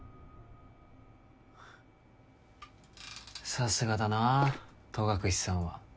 さすがだなぁ戸隠さんは。